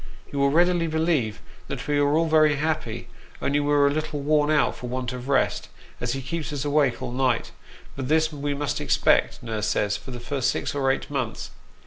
You will readily believe that we are 358 Sketches by Boz. all very happy, only we're a little worn out for want of rest, as he keeps us awake all night ; but this we must expect, nurse says, for the first six or eight months.